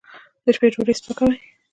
د شپې ډوډۍ سپکه وي.